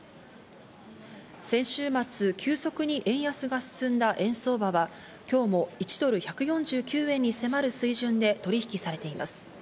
先週末、急速に円安が進んだ円相場は今日も１ドル＝１４９円に迫る水準で取引されています。